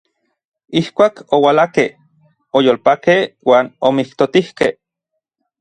Ijkuak oualakej, oyolpakej uan omijtotijkej.